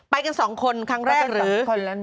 ไปกัน๒คนครั้งแรกหรือ